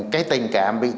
cái tình cảm bị hại